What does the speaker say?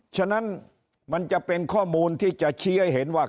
ฉะนั้นมันจะเป็นข้อมูลที่จะชี้ให้เห็นว่า